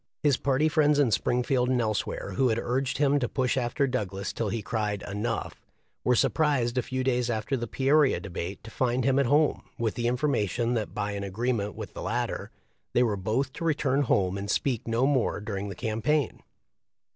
His party friends in Springfield and elsewhere, who had urged him to push after Douglas till he cried, "enough," were surprised a few days after the Peoria debate to find him at home, with the information that by an agreement with the latter they were both to return home and speak no more during the cam paign.